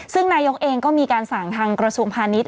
ซึ่งนายกเองก็มีการสั่งทางกระทรวงพาณิชย